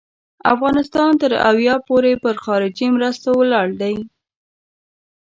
افغانستان تر اویا پوري پر خارجي مرستو ولاړ دی.